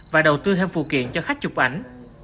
và đầu tư thêm phụ kiện cho khách chụp ảnh